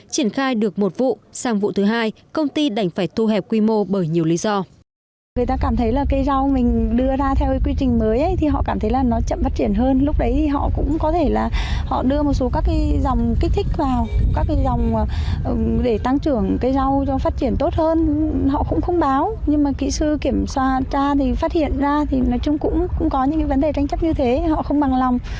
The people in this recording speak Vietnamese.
triển khai được một vụ sang vụ thứ hai công ty đành phải tu hẹp quy mô bởi nhiều lý do